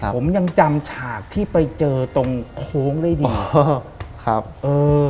ผมยังจำฉากที่ไปเจอตรงโค้งได้ดี